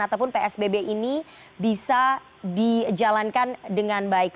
ataupun psbb ini bisa dijalankan dengan baik